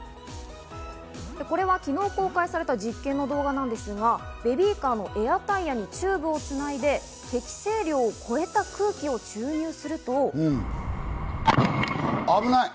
これは昨日公開された実験の動画なんですが、ベビーカーのエアタイヤにチューブをつないで、適正量を超えた空危ない！